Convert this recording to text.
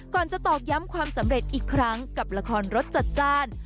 จะตอกย้ำความสำเร็จอีกครั้งกับละครรสจัดจ้าน